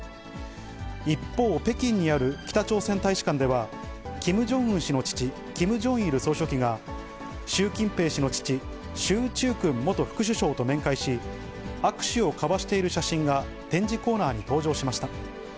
一方、北京にある北朝鮮大使館では、キム・ジョンウン氏の父、キム・ジョンイル総書記が、習近平氏の父、習仲勲元副首相と面会し、握手を交わしている写真が展示コーナーに登場しました。